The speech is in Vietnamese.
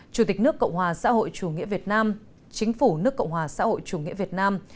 chủ tịch nước cộng hòa xã hội chủ nghĩa việt nam chính phủ nước cộng hòa xã hội chủ nghĩa việt nam